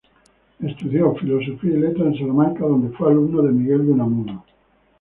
Estudió Filosofía y Letras en Salamanca, donde fue alumno de Miguel de Unamuno.